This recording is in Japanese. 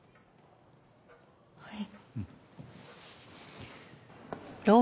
はい。